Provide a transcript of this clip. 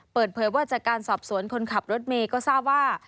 เปิดเผยว่าจากการสอบสวนคนขับรถเมย์ก็ทราบว่า